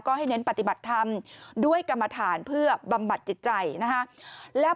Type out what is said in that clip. ก็ให้เน้นปฏิบัติธรรมด้วยกรรมฐานเพื่อบำบัดจิตใจนะฮะ